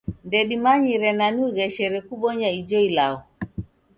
Ndedimanyire nani ugheshero kubonya ijo ilagho.